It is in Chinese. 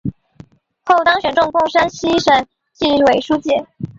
后当选中共山西省纪委书记。